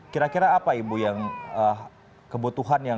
kira kira apa ibu yang kebutuhan yang ibu rasakan sekarang